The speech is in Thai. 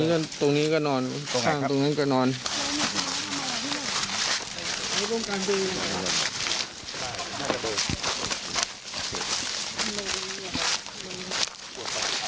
เรื่องราวเยอะแยะมึงก็